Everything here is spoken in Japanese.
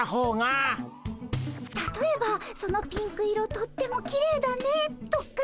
たとえば「そのピンク色とってもきれいだね」とか。